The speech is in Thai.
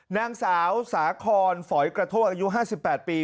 นางสาวสาคอนฝอยกระโทกอายุ๕๘ปี